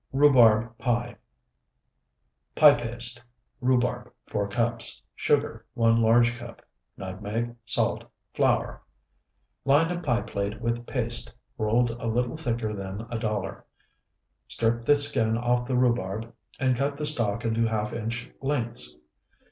RHUBARB PIE Pie paste. Rhubarb, 4 cups. Sugar, 1 large cup. Nutmeg. Salt. Flour. Line a pie plate with paste rolled a little thicker than a dollar. Strip the skin off the rhubarb and cut the stalk into half inch lengths.